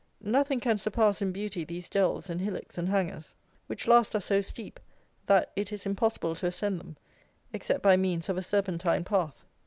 Nothing can surpass in beauty these dells and hillocks and hangers, which last are so steep that it is impossible to ascend them, except by means of a serpentine path.